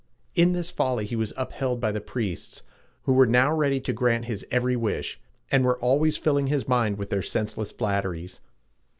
In this folly he was upheld by the priests, who were now ready to grant his every wish, and were always filling his mind with their senseless flatteries.